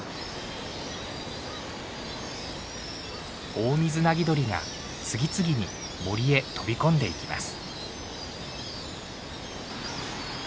オオミズナギドリが次々に森へ飛び込んでいきます。